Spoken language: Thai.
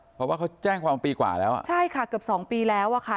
เพราะว่าเขาแจ้งความปีกว่าแล้วอ่ะใช่ค่ะเกือบสองปีแล้วอะค่ะ